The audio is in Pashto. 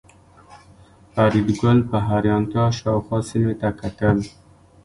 فریدګل په حیرانتیا شاوخوا سیمې ته کتل